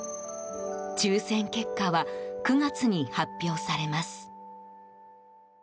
抽選結果は９月に発表されます。